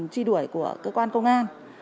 tri đuổi của cơ quan công an